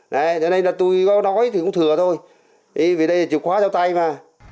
thế nên là tôi có nói thì cũng thừa thôi vì đây là chiều khóa cho tay mà